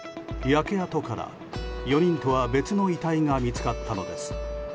焼け跡から４人とは別の遺体が見つかったのです。